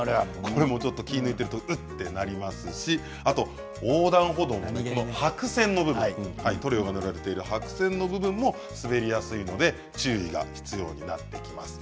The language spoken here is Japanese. これもちょっと気を抜いているとうっとなりますし横断歩道の白線の部分塗料が塗られている白線の部分も滑りやすいので注意が必要になってきます。